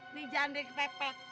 nih jandik pepek